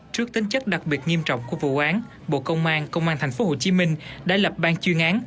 trước tính chất đặc biệt nghiêm trọng của vụ án bộ công an công an tp hcm đã lập ban chuyên án